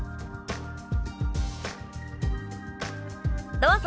どうぞ。